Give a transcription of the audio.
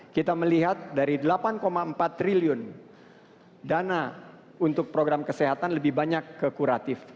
kita melihat dari delapan empat triliun dana untuk program kesehatan lebih banyak ke kuratif